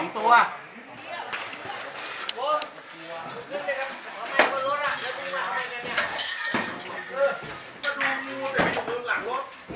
๒ตัว๒ตัว๒ตัว